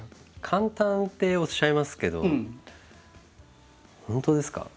簡単っておっしゃいますけど本当ですか？